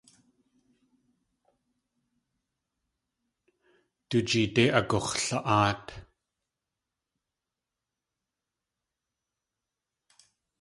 Du jeedé agux̲la.áat.